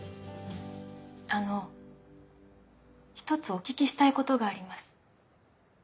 あの一つお聞きしたいことがあります。